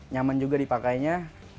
nyaman juga dipakainya